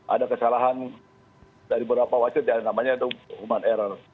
ada kesalahan dari beberapa wasit yang namanya itu human error